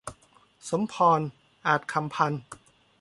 สมพร อาจคำพันธ์